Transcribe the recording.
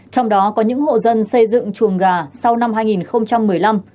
trong đó có những hộ dân xây dựng chuồng gà sau năm hai nghìn một mươi năm